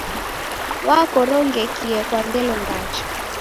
Wakorongekie kwa ngelo ndacha.